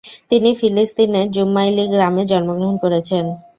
তিনি ফিলিস্তিনের জুম্মাইলি গ্রামে জন্মগ্রহণ করেছেন।